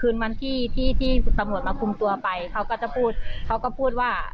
คืนวันที่ที่ที่ตำรวจมาคุมตัวไปเขาก็จะพูดเขาก็พูดว่า